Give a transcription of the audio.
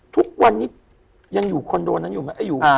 ทุกวันนี้ยังอยู่คอนโดนั้นอยู่ไหม